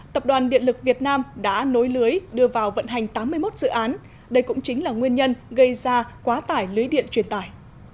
tập đoàn điện lực việt nam đã nối lưới đưa vào vận hành tám mươi một dự án đây cũng chính là nguyên nhân gây ra quá tải lưới điện truyền tải